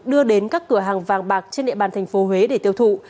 đưa đến các cửa hàng vàng bạc trên địa bàn thành phố huế để tiêu thụ